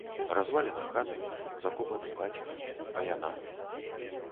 Развалена хата, закопаны бацька, а яна?